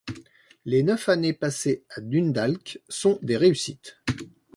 Les neuf années passées à Dundalk sont des réussites.